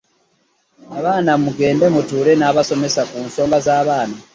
Abazadde mugende mutuule n'abasomesa ku nsonga z'abaana.